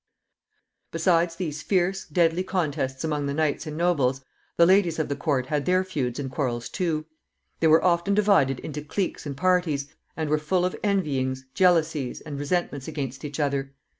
Besides these fierce, deadly contests among the knights and nobles, the ladies of the court had their feuds and quarrels too. They were often divided into cliques and parties, and were full of envyings, jealousies, and resentments against each other.